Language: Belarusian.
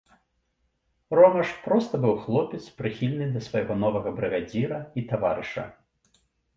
Рома ж проста быў хлопец прыхільны да свайго новага брыгадзіра і таварыша.